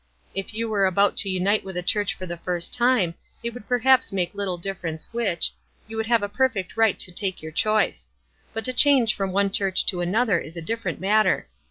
If you were about to unite with a church for the first time, it would perhaps make little difference which, you would have a perfect right to take your choice ; but to change from one church to another is a different matter.